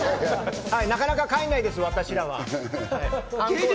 なかなか帰らないです、我々は。